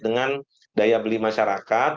dengan daya beli masyarakat